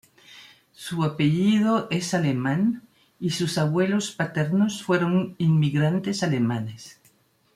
Su apellido es alemán y sus abuelos paternos fueron inmigrantes alemanes.